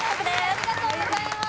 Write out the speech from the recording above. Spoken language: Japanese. ありがとうございます！